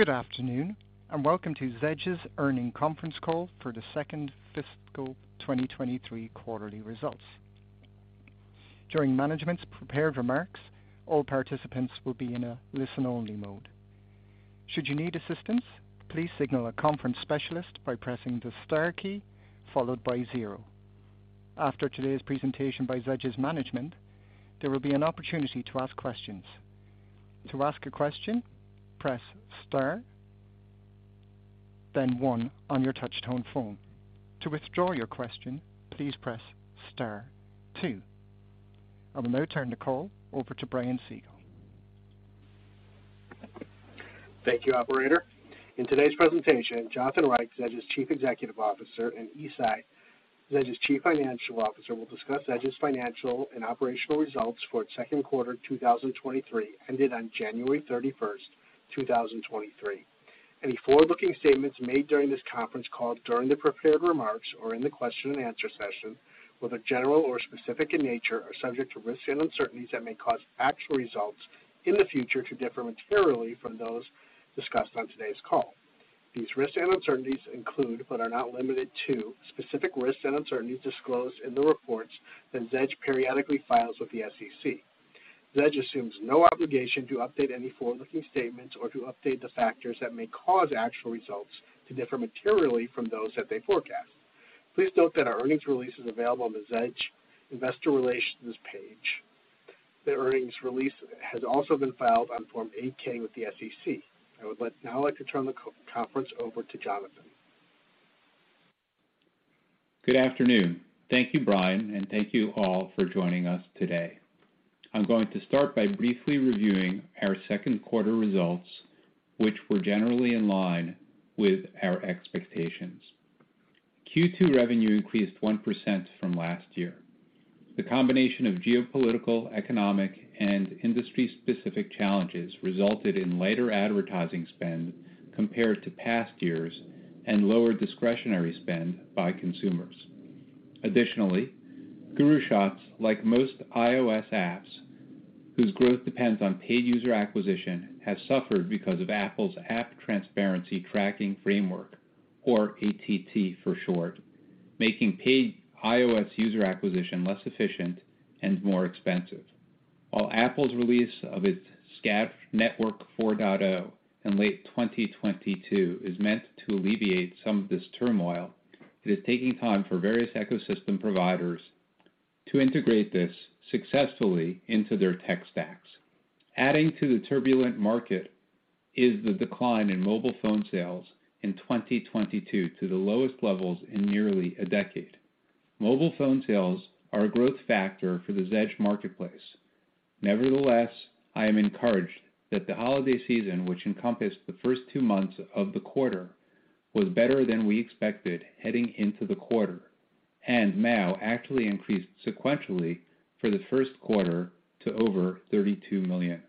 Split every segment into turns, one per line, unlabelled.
Good afternoon, welcome to Zedge's Earnings Conference Call for the Second Fiscal 2023 Quarterly Results. During management's prepared remarks, all participants will be in a listen-only mode. Should you need assistance, please signal a conference specialist by pressing the star key followed by zero. After today's presentation by Zedge's management, there will be an opportunity to ask questions. To ask a question, press star, then one on your touch-tone phone. To withdraw your question, please press star two. I will now turn the call over to Brian Siegel.
Thank you, operator. In today's presentation, Jonathan Reich, Zedge's Chief Executive Officer, and Yi Tsai, Zedge's Chief Financial Officer, will discuss Zedge's financial and operational results for its second quarter 2023, ended on January 31st, 2023. Any forward-looking statements made during this conference call during the prepared remarks or in the question and answer session, whether general or specific in nature, are subject to risks and uncertainties that may cause actual results in the future to differ materially from those discussed on today's call. These risks and uncertainties include, but are not limited to, specific risks and uncertainties disclosed in the reports that Zedge periodically files with the SEC. Zedge assumes no obligation to update any forward-looking statements or to update the factors that may cause actual results to differ materially from those that they forecast. Please note that our earnings release is available on the Zedge Investor Relations page. The earnings release has also been filed on Form 8-K with the SEC. I would now like to turn the conference over to Jonathan.
Good afternoon. Thank you, Brian, and thank you all for joining us today. I'm going to start by briefly reviewing our second quarter results, which were generally in line with our expectations. Q2 revenue increased 1% from last year. The combination of geopolitical, economic, and industry-specific challenges resulted in lighter advertising spend compared to past years and lower discretionary spend by consumers. Additionally, GuruShots, like most iOS apps whose growth depends on paid user acquisition, have suffered because of Apple's App Tracking Transparency framework, or ATT for short, making paid iOS user acquisition less efficient and more expensive. While Apple's release of its SKAdNetwork 4.0 in late 2022 is meant to alleviate some of this turmoil, it is taking time for various ecosystem providers to integrate this successfully into their tech stacks. Adding to the turbulent market is the decline in mobile phone sales in 2022 to the lowest levels in nearly a decade. Mobile phone sales are a growth factor for the Zedge Marketplace. I am encouraged that the holiday season, which encompassed the first two months of the quarter, was better than we expected heading into the quarter and now actually increased sequentially for the first quarter to over $32 million.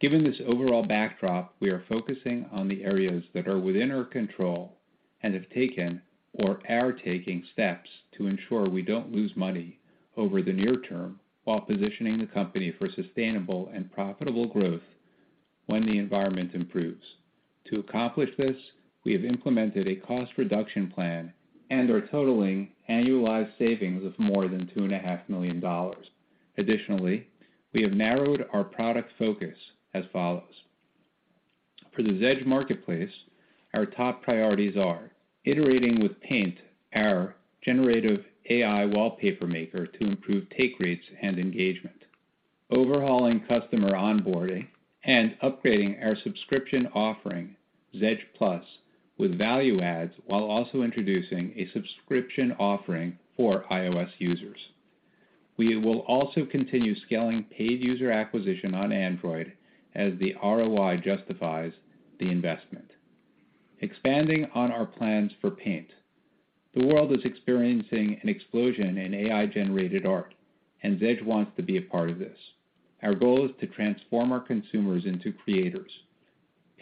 Given this overall backdrop, we are focusing on the areas that are within our control and have taken or are taking steps to ensure we don't lose money over the near term while positioning the company for sustainable and profitable growth when the environment improves. To accomplish this, we have implemented a cost reduction plan and are totaling annualized savings of more than $2.5 million. Additionally, we have narrowed our product focus as follows. For the Zedge Marketplace, our top priorities are iterating with pAInt, our generative AI wallpaper maker, to improve take rates and engagement, overhauling customer onboarding, and upgrading our subscription offering, Zedge Plus, with value adds while also introducing a subscription offering for iOS users. We will also continue scaling paid user acquisition on Android as the ROI justifies the investment. Expanding on our plans for pAInt, the world is experiencing an explosion in AI-generated art, and Zedge wants to be a part of this. Our goal is to transform our consumers into creators.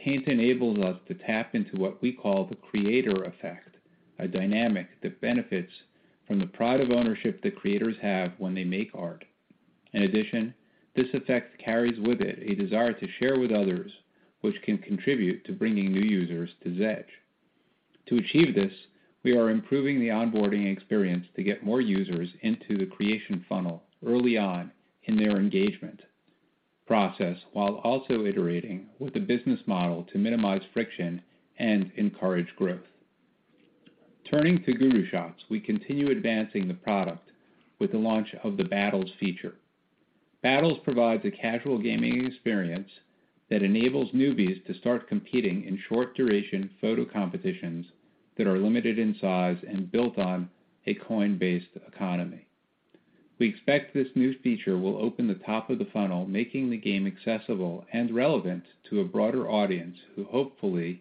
pAInt enables us to tap into what we call the creator effect, a dynamic that benefits from the pride of ownership that creators have when they make art. In addition, this effect carries with it a desire to share with others, which can contribute to bringing new users to Zedge. To achieve this, we are improving the onboarding experience to get more users into the creation funnel early on in their engagement process while also iterating with the business model to minimize friction and encourage growth. Turning to GuruShots, we continue advancing the product with the launch of the Battles feature. Battles provides a casual gaming experience that enables newbies to start competing in short-duration photo competitions that are limited in size and built on a coin-based economy. We expect this new feature will open the top of the funnel, making the game accessible and relevant to a broader audience who hopefully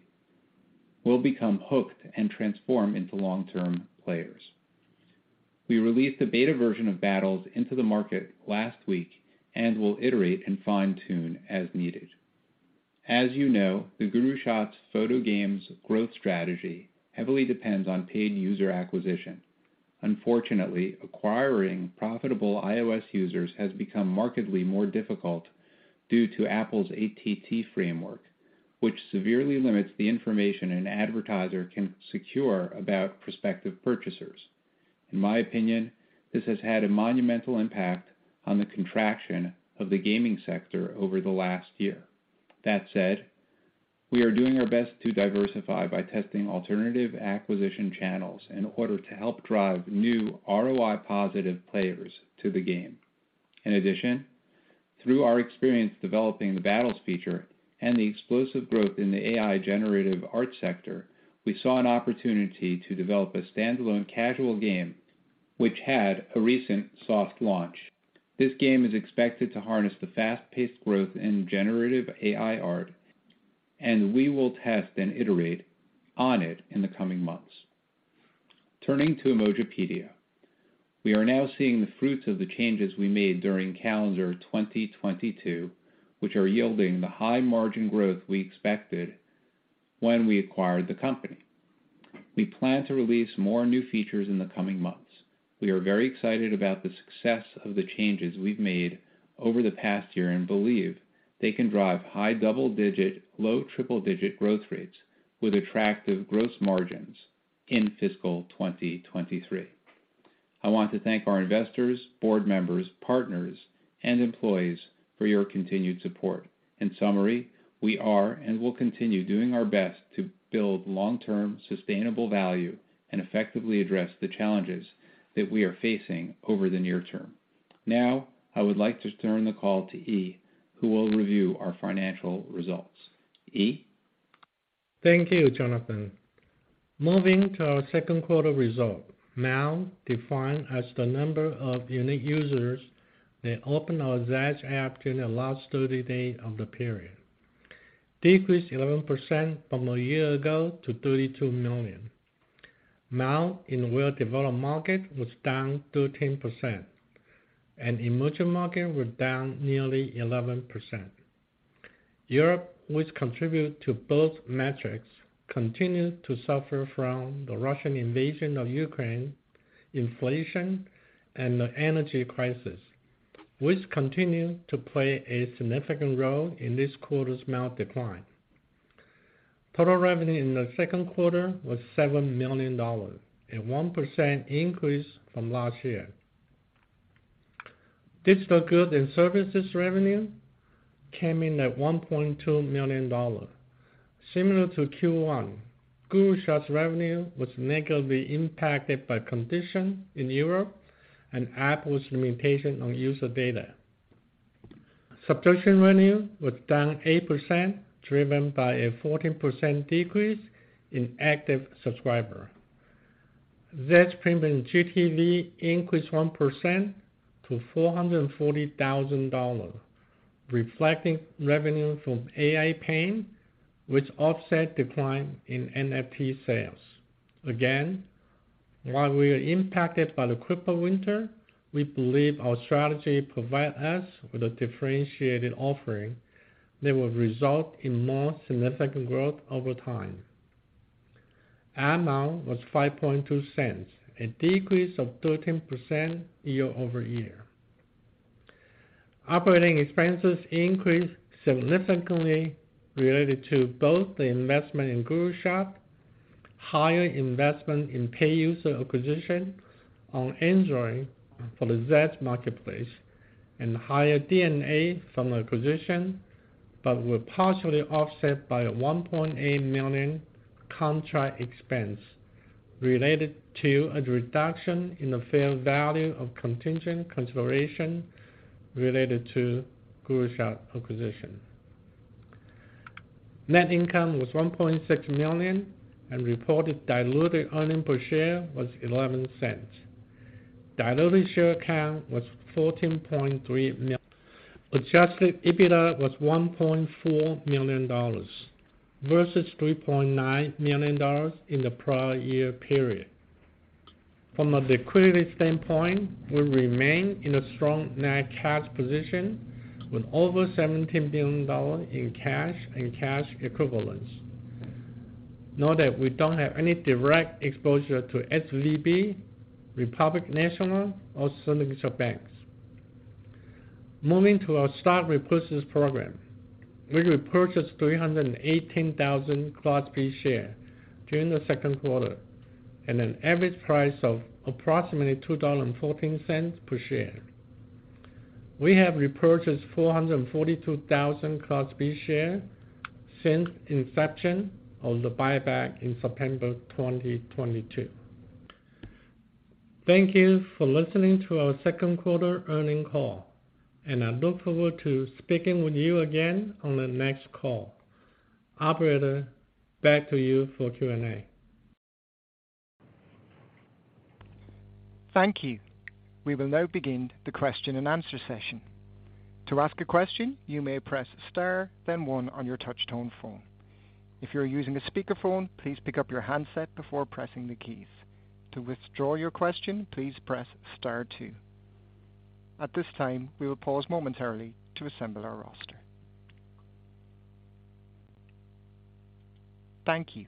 will become hooked and transform into long-term players. We released a beta version of Battles into the market last week and will iterate and fine-tune as needed. As you know, the GuruShots photo games growth strategy heavily depends on paid user acquisition. Unfortunately, acquiring profitable iOS users has become markedly more difficult due to Apple's ATT framework, which severely limits the information an advertiser can secure about prospective purchasers. In my opinion, this has had a monumental impact on the contraction of the gaming sector over the last year. That said, we are doing our best to diversify by testing alternative acquisition channels in order to help drive new ROI positive players to the game. In addition, through our experience developing the Battles feature and the explosive growth in the AI generative art sector, we saw an opportunity to develop a standalone casual game which had a recent soft launch. This game is expected to harness the fast-paced growth in generative AI art, and we will test and iterate on it in the coming months. Turning to Emojipedia, we are now seeing the fruits of the changes we made during calendar 2022, which are yielding the high margin growth we expected when we acquired the company. We plan to release more new features in the coming months. We are very excited about the success of the changes we've made over the past year and believe they can drive high double-digit, low triple-digit growth rates with attractive gross margins in fiscal 2023. I want to thank our investors, board members, partners, and employees for your continued support. In summary, we are and will continue doing our best to build long-term sustainable value and effectively address the challenges that we are facing over the near term. Now, I would like to turn the call to Yi, who will review our financial results. Yi.
Thank you, Jonathan. Moving to our second quarter result. MAU, defined as the number of unique users that open our Zedge app during the last 30 days of the period, decreased 11% from a year ago to 32 million. MAU in well-developed market was down 13%. Emerging markets were down nearly 11%. Europe, which contributed to both metrics, continued to suffer from the Russian invasion of Ukraine, inflation, and the energy crisis, which continued to play a significant role in this quarter's MAU decline. Total revenue in the second quarter was $7 million, a 1% increase from last year. Digital goods and services revenue came in at $1.2 million. Similar to Q1, GuruShots revenue was negatively impacted by competition in Europe and Apple's limitation on user data. Subscription revenue was down 8%, driven by a 14% decrease in active subscriber. Zedge Premium GTV increased 1% to $440,000, reflecting revenue from pAInt, which offset decline in NFT sales. Again, while we are impacted by the crypto winter, we believe our strategy provide us with a differentiated offering that will result in more significant growth over time. Ad MAU was $0.052, a decrease of 13% year-over-year. Operating expenses increased significantly related to both the investment in GuruShots, higher investment in pay user acquisition on Android for the Zedge Marketplace, and higher D&A from acquisition, but were partially offset by a $1.8 million contract expense related to a reduction in the fair value of contingent consideration related to GuruShots acquisition. Net income was $1.6 million. Reported diluted earnings per share was $0.11. Diluted share count was 14.3 million. Adjusted EBITDA was $1.4 million, versus $3.9 million in the prior year period. From a liquidity standpoint, we remain in a strong net cash position with over $17 billion in cash and cash equivalents. Note that we don't have any direct exposure to SVB, First Republic Bank, or Signature Bank. Moving to our stock repurchase program. We repurchased 318,000 Class B shares during the second quarter at an average price of approximately $2.14 per share. We have repurchased 442,000 Class B shares since inception of the buyback in September 2022. Thank you for listening to our second quarter earnings call, and I look forward to speaking with you again on the next call. Operator, back to you for Q&A.
Thank you. We will now begin the question and answer session. To ask a question, you may press star then one on your touch tone phone. If you're using a speakerphone, please pick up your handset before pressing the keys. To withdraw your question, please press star two. At this time, we will pause momentarily to assemble our roster. Thank you.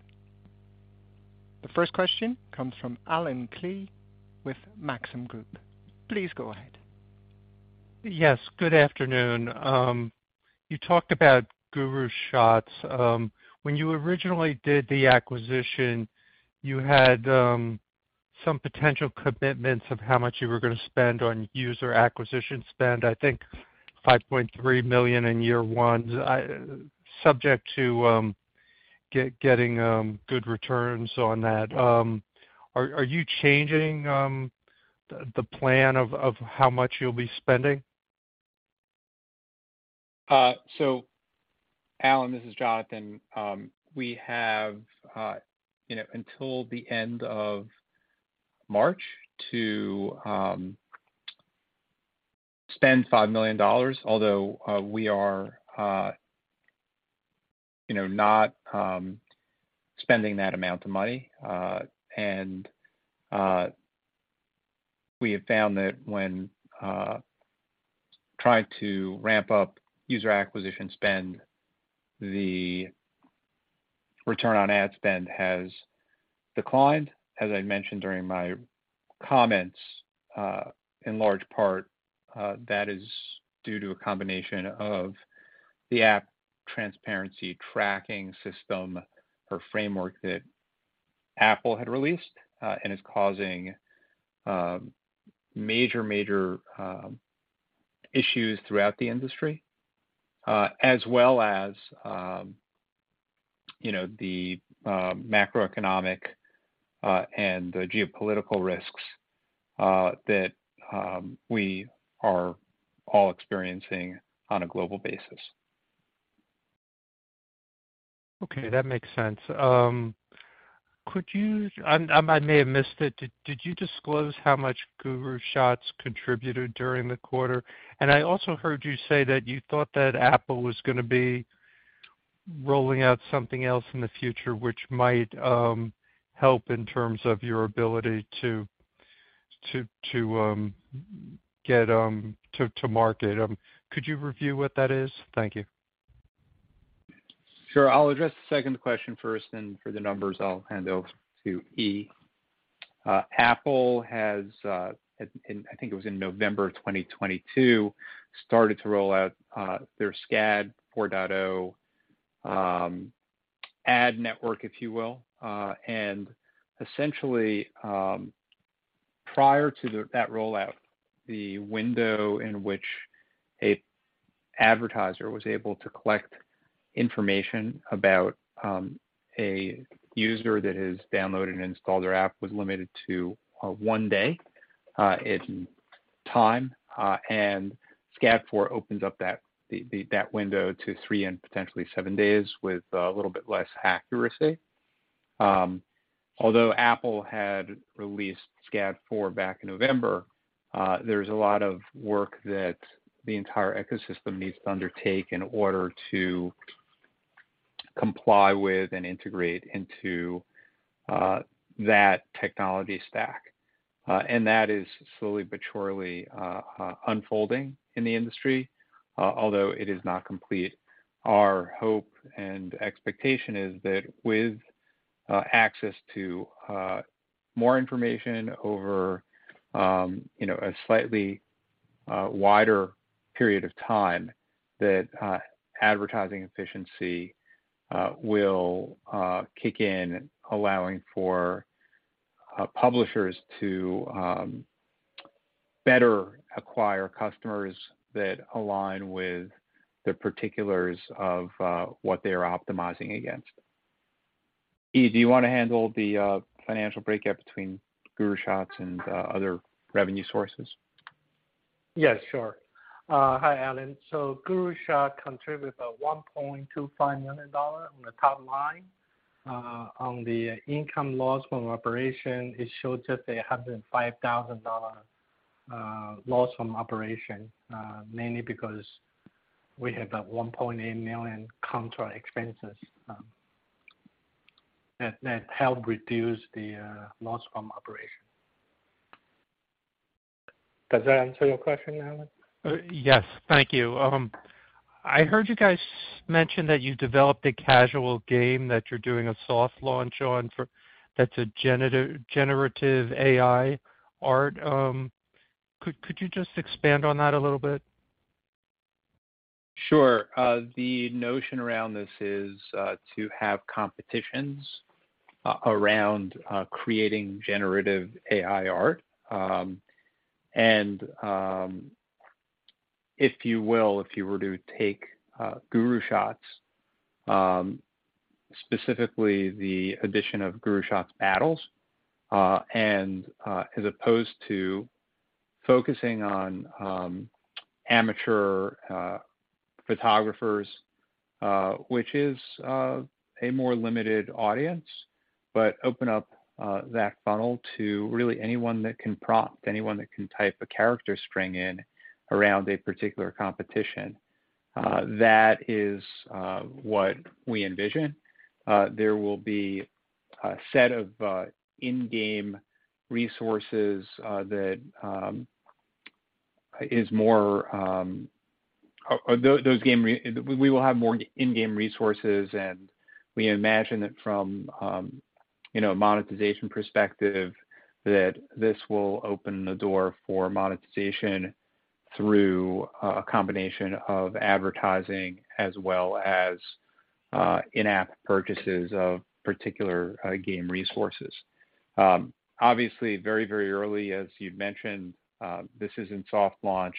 The first question comes from Allen Klee with Maxim Group. Please go ahead.
Yes, good afternoon. You talked about GuruShots. When you originally did the acquisition, you had some potential commitments of how much you were gonna spend on user acquisition spend. I think $5.3 million in year one, subject to getting good returns on that. Are you changing the plan of how much you'll be spending?
Allen, this is Jonathan. We have, you know, until the end of March to spend $5 million, although we are, you know, not spending that amount of money. We have found that when trying to ramp up user acquisition spend, the return on ad spend has declined. As I mentioned during my comments, in large part, that is due to a combination of the App Tracking Transparency system or framework that Apple had released, and is causing major issues throughout the industry, as well as, you know, the macroeconomic and the geopolitical risks that we are all experiencing on a global basis.
Okay. That makes sense. I may have missed it. Did you disclose how much GuruShots contributed during the quarter? I also heard you say that you thought that Apple was gonna be rolling out something else in the future which might help in terms of your ability to get to market. Could you review what that is? Thank you.
Sure. I'll address the second question first, and for the numbers, I'll hand over to Yi. Apple has, I think it was in November of 2022, started to roll out their SKAdNetwork 4.0, if you will. Essentially, prior to that rollout, the window in which an advertiser was able to collect information about a user that has downloaded and installed their app was limited to one day in time. SKAN 4 opens up that window to three and potentially seven days with a little bit less accuracy. Although Apple had released SKAN 4 back in November, there's a lot of work that the entire ecosystem needs to undertake in order to comply with and integrate into that technology stack. That is slowly but surely unfolding in the industry, although it is not complete. Our hope and expectation is that with access to more information over, you know, a slightly wider period of time, that advertising efficiency will kick in, allowing for publishers to better acquire customers that align with the particulars of what they are optimizing against. Yi, do you wanna handle the financial breakup between GuruShots and other revenue sources?
Yes, sure. Hi, Allen. GuruShots contributes $1.25 million on the top line. On the income loss from operation, it shows just $105,000, loss from operation, mainly because we have that $1.8 million contract expenses that help reduce the loss from operation. Does that answer your question, Allen?
Yes. Thank you. I heard you guys mention that you developed a casual game that you're doing a soft launch on for that's a generative AI art. Could you just expand on that a little bit?
Sure. The notion around this is to have competitions around creating generative AI art. If you will, if you were to take GuruShots, specifically the addition of GuruShots Battles, and, as opposed to focusing on amateur photographers, which is a more limited audience, but open up that funnel to really anyone that can prompt, anyone that can type a character string in around a particular competition. That is what we envision. There will be a set of in-game resources. We will have more in-game resources, and we imagine that from, you know, a monetization perspective, that this will open the door for monetization through a combination of advertising as well as in-app purchases of particular game resources. Obviously very, very early, as you'd mentioned, this is in soft launch.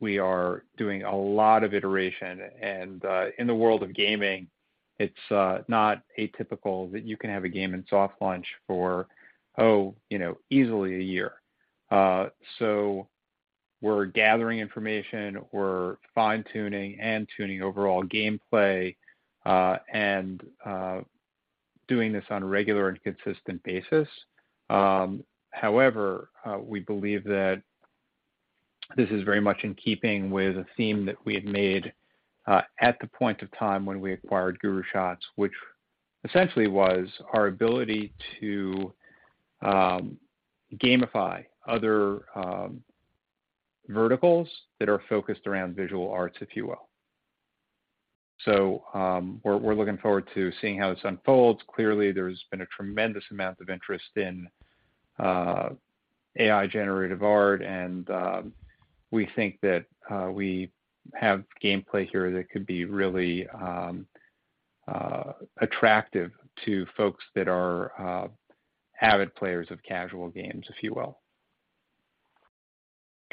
We are doing a lot of iteration and in the world of gaming, it's not atypical that you can have a game in soft launch for, you know, easily a year. We're gathering information, we're fine-tuning and tuning overall gameplay, and doing this on a regular and consistent basis. However, we believe that this is very much in keeping with a theme that we had made at the point of time when we acquired GuruShots, which essentially was our ability to gamify other verticals that are focused around visual arts, if you will. We're looking forward to seeing how this unfolds. Clearly, there's been a tremendous amount of interest in AI-generative art and we think that we have gameplay here that could be really attractive to folks that are avid players of casual games, if you will.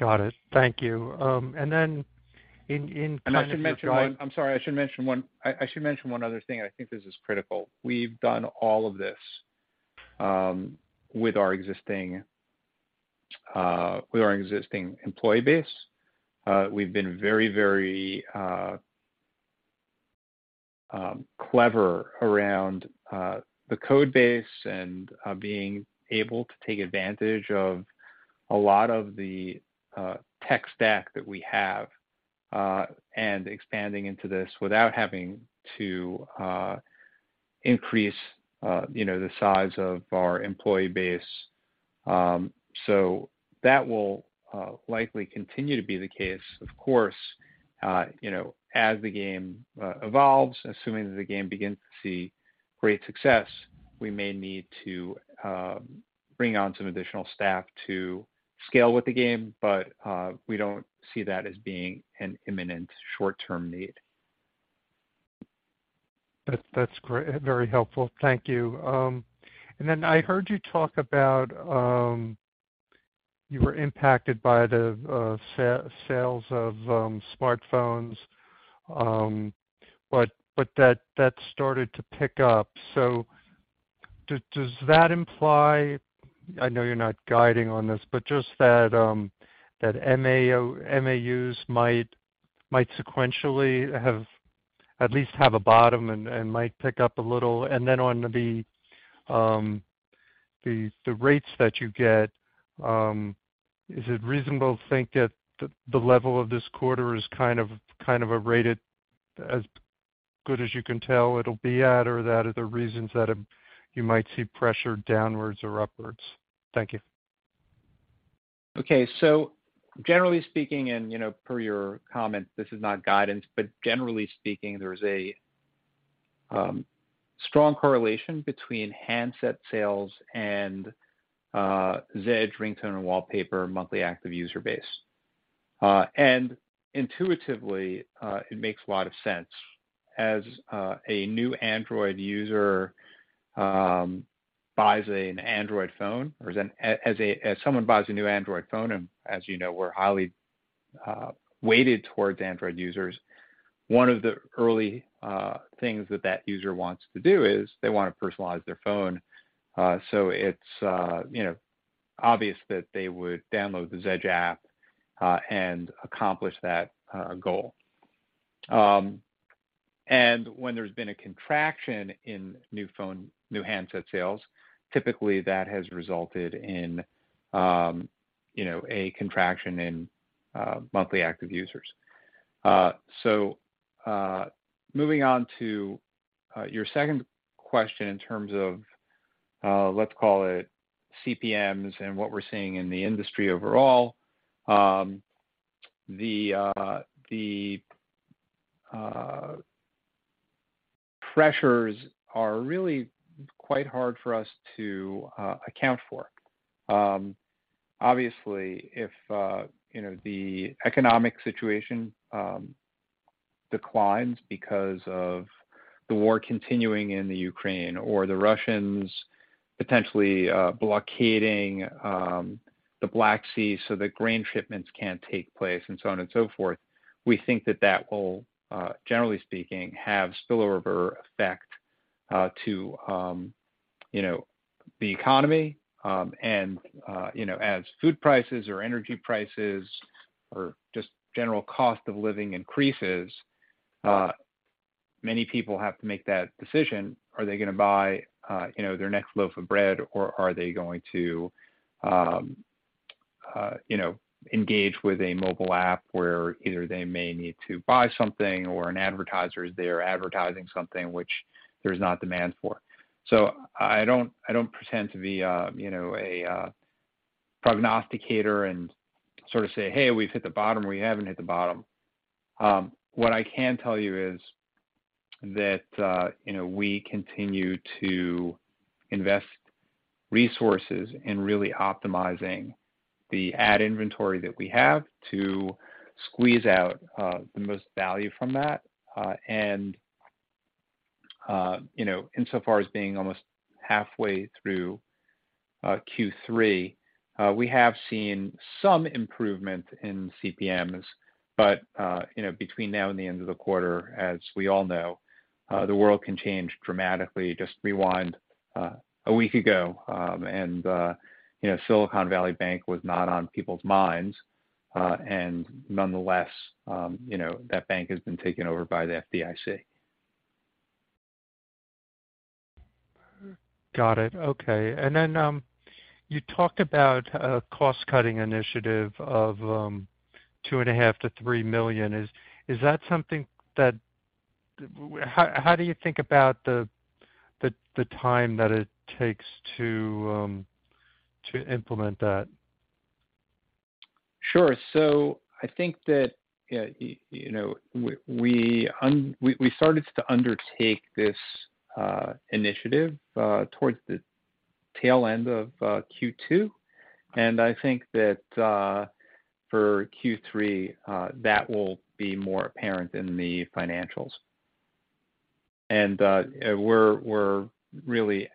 Got it. Thank you.
I should mention one other thing. I think this is critical. We've done all of this with our existing employee base. We've been very, very clever around the code base and being able to take advantage of a lot of the tech stack that we have and expanding into this without having to increase, you know, the size of our employee base. That will likely continue to be the case. Of course, you know, as the game evolves, assuming that the game begins to see great success, we may need to bring on some additional staff to scale with the game. We don't see that as being an imminent short-term need.
That's great. Very helpful. Thank you. I heard you talk about, you were impacted by the sales of smartphones, but that started to pick up. Does that imply, I know you're not guiding on this, but just that MAUs might sequentially at least have a bottom and might pick up a little. On the, the rates that you get, is it reasonable to think that the level of this quarter is kind of a rate as good as you can tell it'll be at, or that are the reasons that you might see pressure downwards or upwards? Thank you.
Okay. Generally speaking, and you know, per your comment, this is not guidance, but generally speaking, there's a strong correlation between handset sales and Zedge ringtone and wallpaper monthly active user base. Intuitively, it makes a lot of sense. As a new Android user, buys an Android phone, or as someone buys a new Android phone, and as you know, we're highly weighted towards Android users, one of the early things that user wants to do is they wanna personalize their phone. It's, you know, obvious that they would download the Zedge app and accomplish that goal. When there's been a contraction in new phone, new handset sales, typically that has resulted in, you know, a contraction in monthly active users. Moving on to your second question in terms of, let's call it CPMs and what we're seeing in the industry overall. The pressures are really quite hard for us to account for. Obviously, if, you know, the economic situation declines because of the war continuing in the Ukraine or the Russians potentially blockading the Black Sea so that grain shipments can't take place and so on and so forth, we think that that will generally speaking, have spillover effect to, you know, the economy. You know, as food prices or energy prices or just general cost of living increases, many people have to make that decision. Are they gonna buy, you know, their next loaf of bread, or are they going to, you know, engage with a mobile app where either they may need to buy something or an advertiser is there advertising something which there's not demand for? I don't pretend to be, you know, a prognosticator and sort of say, "Hey, we've hit the bottom," or, "We haven't hit the bottom." What I can tell you is that, you know, we continue to invest resources in really optimizing the ad inventory that we have to squeeze out the most value from that. You know, insofar as being almost halfway through Q3, we have seen some improvement in CPMs, you know, between now and the end of the quarter, as we all know, the world can change dramatically. Just rewind a week ago, you know, Silicon Valley Bank was not on people's minds, nonetheless, you know, that bank has been taken over by the FDIC.
Got it. Okay. You talked about a cost-cutting initiative of $2.5 million-$3 million. Is that something that? How do you think about the time that it takes to implement that?
Sure. I think that, you know, we started to undertake this initiative, towards the tail end of Q2, and I think that, for Q3, that will be more apparent in the financials. We're really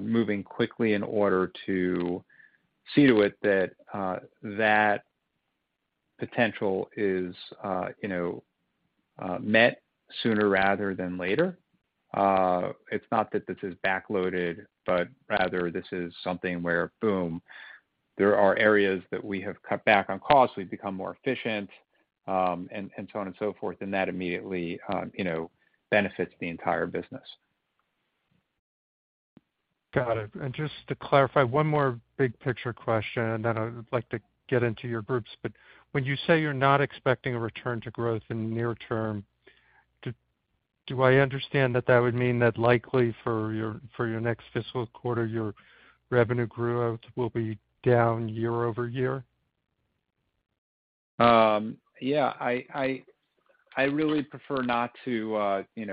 moving quickly in order to see to it that potential is, you know, met sooner rather than later. It's not that this is backloaded, but rather this is something where, boom, there are areas that we have cut back on costs, we've become more efficient, and so on and so forth, and that immediately, you know, benefits the entire business.
Got it. Just to clarify, one more big picture question, then I'd like to get into your groups. When you say you're not expecting a return to growth in the near term, do I understand that that would mean that likely for your next fiscal quarter, your revenue growth will be down year-over-year?
Yeah. I really prefer not to, you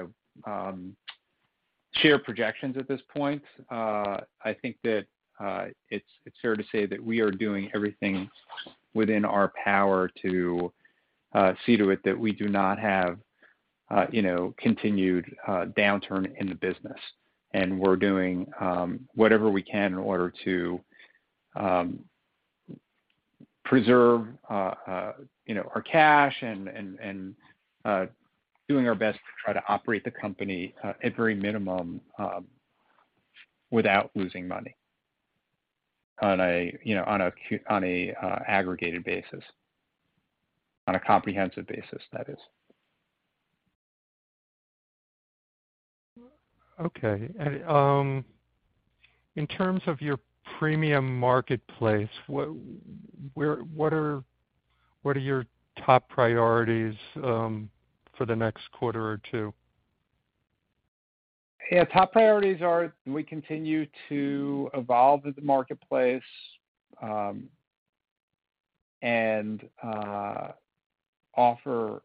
know, share projections at this point. I think that it's fair to say that we are doing everything within our power to see to it that we do not have, you know, continued downturn in the business. We're doing whatever we can in order to preserve, you know, our cash and, doing our best to try to operate the company at very minimum, without losing money on a, you know, on aggregated basis, on a comprehensive basis, that is.
Okay. in terms of your premium marketplace, what are your top priorities for the next quarter or two?
Yeah. Top priorities are we continue to evolve the Marketplace, and offer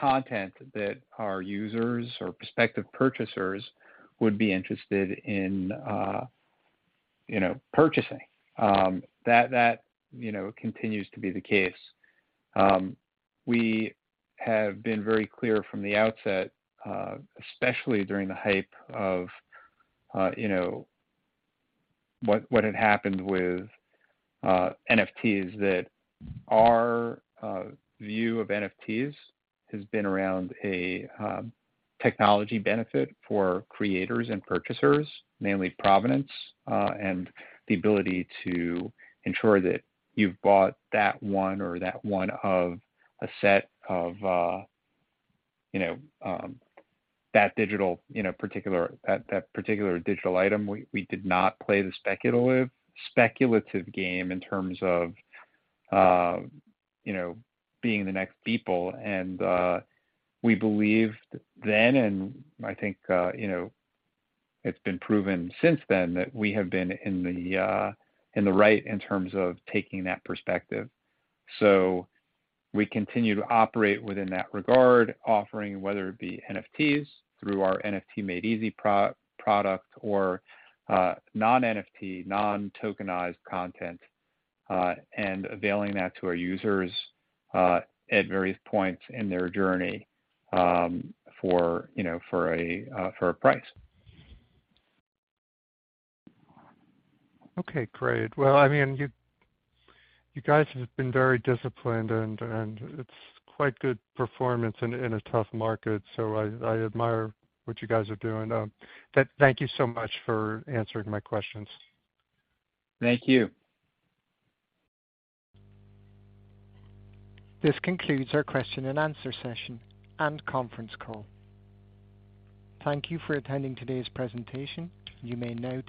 content that our users or prospective purchasers would be interested in, you know, purchasing. That, you know, continues to be the case. We have been very clear from the outset, especially during the hype of, you know, what had happened with NFTs, that our view of NFTs has been around a technology benefit for creators and purchasers, namely provenance, and the ability to ensure that you've bought that one or that one of a set of, you know, that particular digital item. We did not play the speculative game in terms of, you know, being the next Beeple. We believed then, and I think, you know, it's been proven since then, that we have been in the right in terms of taking that perspective. We continue to operate within that regard, offering whether it be NFTs through our NFTs Made Easy pro-product or non-NFT, non-tokenized content, and availing that to our users at various points in their journey, for, you know, for a price.
Okay, great. Well, I mean, you guys have been very disciplined, and it's quite good performance in a tough market. I admire what you guys are doing. Thank you so much for answering my questions.
Thank you.
This concludes our question and answer session and conference call. Thank you for attending today's presentation. You may now disconnect.